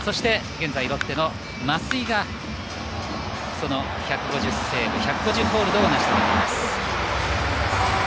現在ロッテの増井が１５０セーブ１５０ホールドを成し遂げています。